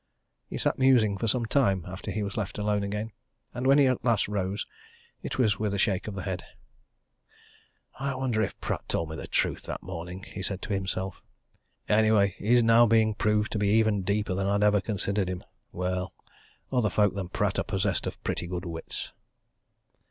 He sat musing for some time after he was left alone again, and when he at last rose, it was with a shake of the head. "I wonder if Pratt told me the truth that morning?" he said to himself. "Anyway, he's now being proved to be even deeper than I'd ever considered him. Well other folk than Pratt are possessed of pretty good wits."